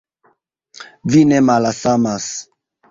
Vi ne malamas!